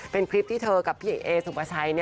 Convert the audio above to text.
เป็นคลิปที่เธอกับพี่เอกเอสุปชัย